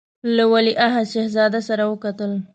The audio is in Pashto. له ولیعهد شهزاده سره وکتل.